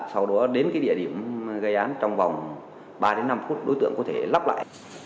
sau đó đến địa điểm gây án trong vòng ba năm phút đối tượng có thể lắp lại